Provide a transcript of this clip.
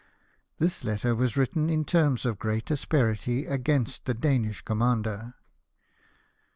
This letter was written in terms of great asperity against the Danish commander.